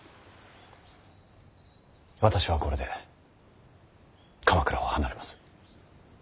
私はこれで鎌倉を離れます。